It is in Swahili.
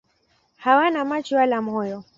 Hawana macho wala moyo.